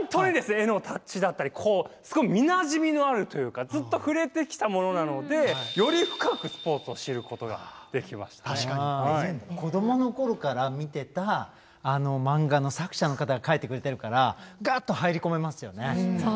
絵のタッチだったりすごい見なじみのあるというかずっと、ふれてきたものなので子どものころから見てた漫画の作者の方が描いてくれてるからがーっと入り込めますよね。